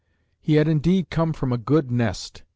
He had indeed come from a good nest.